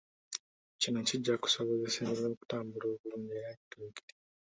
Kino kijja kusobozesa emirimu okutambula obulungi era gituukirire.